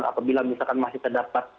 apabila misalkan masih terdapat